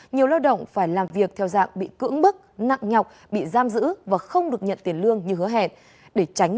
nhiều lao động phải làm việc theo dạng bị cưỡng bức nặng nhọc bị giam giữ và không được nhận tiền lương như hứa hẹn